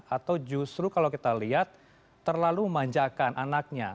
atau justru kalau kita lihat terlalu memanjakan anaknya